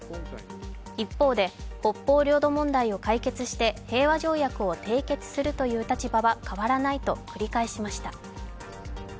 一方で、北方領土問題を解決して平和条約を締結するという立場は変わらないと繰り返しました。